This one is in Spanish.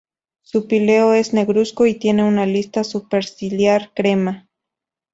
Su píleo es negruzco y tiene una lista superciliar crema.